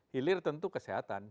hilir tentu kesehatan